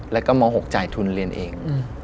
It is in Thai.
แล้วก็ม๖จ่ายทุนเรียนเอง